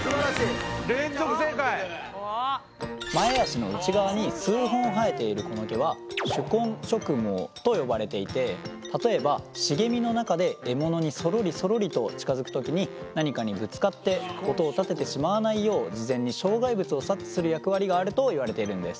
前足の内側に数本生えているこの毛は手根触毛と呼ばれていて例えば茂みの中で獲物にそろりそろりと近づく時に何かにぶつかって音をたててしまわないよう事前に障害物を察知する役割があるといわれているんです。